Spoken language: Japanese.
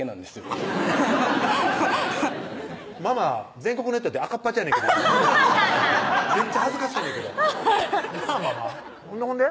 全国ネットで赤っ恥やねんけど今めっちゃ恥ずかしいねんけどなぁママほんで？